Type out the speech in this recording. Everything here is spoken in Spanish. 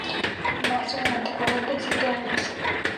Maestra durante cuarenta y siete años.